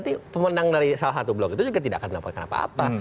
nanti pemenang dari salah satu blok itu juga tidak akan mendapatkan apa apa